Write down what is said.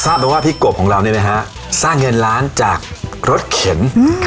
มาว่าพี่กบของเราเนี่ยนะฮะสร้างเงินล้านจากรถเข็น